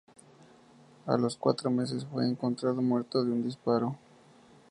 A los cuatro meses fue encontrado muerto de un disparo.